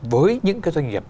với những cái doanh nghiệp